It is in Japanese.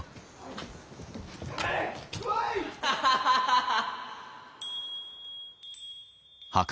ハハハハハ！